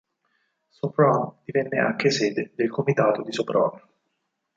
Sopron divenne anche sede del comitato di Sopron.